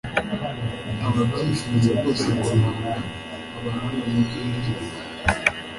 ababyifuza bose guhanga. abahanga mu by'indirimbo